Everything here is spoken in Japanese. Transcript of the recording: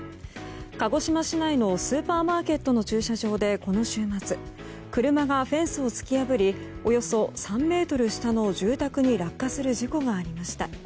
鹿児島市内のスーパーマーケットの駐車場でこの週末、車がフェンスを突き破りおよそ３ｍ下の住宅に落下する事故がありました。